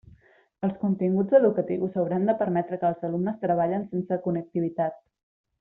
Els continguts educatius hauran de permetre que els alumnes treballen sense connectivitat.